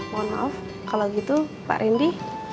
mohon maaf kalau gitu pak randy